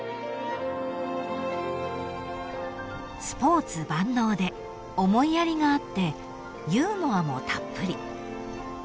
［スポーツ万能で思いやりがあってユーモアもたっぷり］